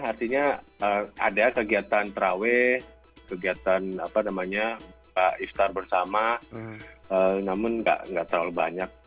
artinya ada kegiatan trawe kegiatan istar bersama namun nggak terlalu banyak